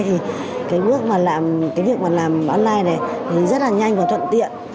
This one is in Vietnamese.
thì cái bước mà làm cái việc mà làm online này thì rất là nhanh và thuận tiện